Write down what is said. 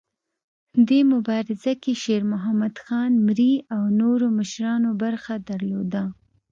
دې مبارزه کې شیرمحمد خان مري او نورو مشرانو برخه درلوده.